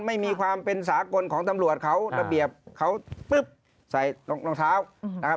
ไม่มีความเป็นสากลของตำรวจเขาระเบียบเขาปุ๊บใส่รองเท้านะครับ